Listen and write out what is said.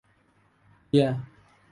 เบียร์ !